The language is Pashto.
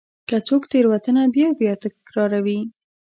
که څوک تېروتنه بیا بیا تکراروي.